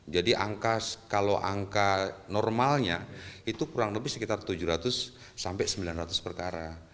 jadi kalau angka normalnya itu kurang lebih sekitar tujuh ratus sampai sembilan ratus